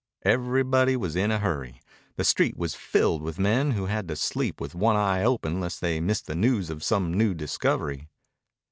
Everybody was in a hurry. The street was filled with men who had to sleep with one eye open lest they miss the news of some new discovery.